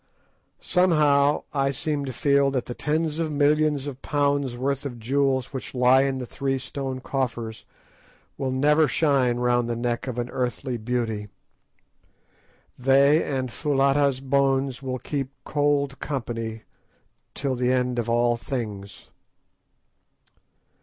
Somehow, I seem to feel that the tens of millions of pounds' worth of jewels which lie in the three stone coffers will never shine round the neck of an earthly beauty. They and Foulata's bones will keep cold company till the end of all things.